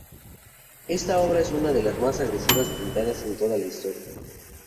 Esta obra es una de las más agresivas pintadas en toda la historia.